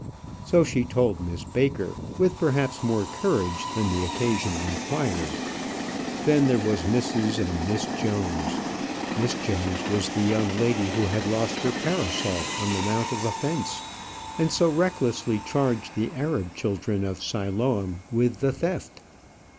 So she told Miss Baker with perhaps more courage than the occasion required. Then there was Mrs. and Miss Jones. Miss Jones was the young lady who lost her parasol on the Mount of Offence, and so recklessly charged the Arab children of Siloam with the theft.